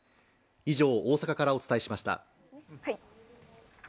以上大阪からお伝えしました。